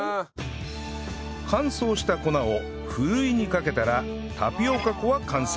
乾燥した粉をふるいにかけたらタピオカ粉は完成